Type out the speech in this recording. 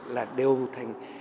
là đều thành